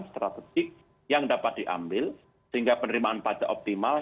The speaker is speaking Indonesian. strategik yang dapat diambil sehingga penerimaan pajak optimal